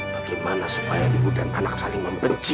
bagaimana supaya ibu dan anak saling membenci